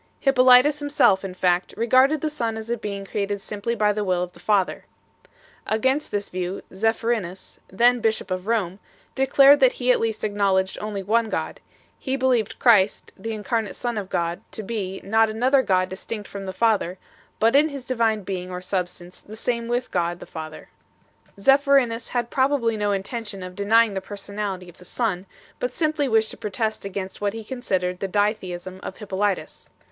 Hippolytus himself, in fact, regarded the Son as a Being created simply by the will of the Father 3 . Against this view Zephyrinus, then bishop of Rome, declared that he at least acknowledged only one God; he believed Christ, the incarnate Son of God, to be, not another God distinct from the Father, but in His divine Being or Substance the same with God the Father. Zephyrinus had probably no intention of denying the Personality of the Son, but simply wished to protest against what he considered the ditheism of Hippolytus.